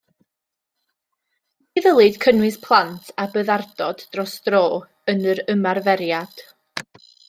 Ni ddylid cynnwys plant â byddardod dros dro yn yr ymarferiad.